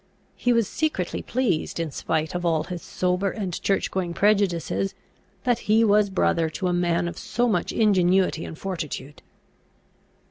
He was secretly pleased, in spite of all his sober and church going prejudices, that he was brother to a man of so much ingenuity and fortitude.